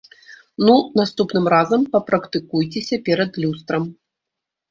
Ну, наступным разам папрактыкуйцеся перад люстрам.